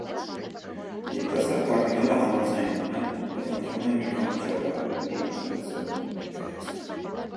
Երիտասարդ կարդինալը համաձայնում է և խնդրում մի քանի ճարտարապետների նախագծեր ներկայացնել։